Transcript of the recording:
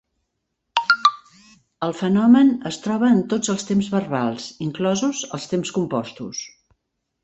El fenomen es troba en tots els temps verbals, inclosos els temps compostos.